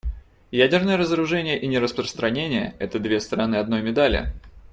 Ядерное разоружение и нераспространение — это две стороны одной медали.